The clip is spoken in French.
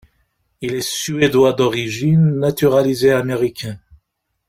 Il est suédois d'origine, naturalisé américain.